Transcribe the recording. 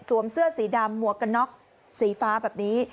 เสื้อสีดำหมวกกันน็อกสีฟ้าแบบนี้